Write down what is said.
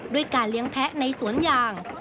ด้วยการเลี้ยงแพ้ในสวนยาง